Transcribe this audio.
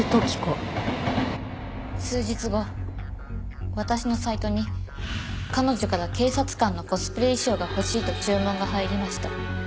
数日後私のサイトに彼女から警察官のコスプレ衣装が欲しいと注文が入りました。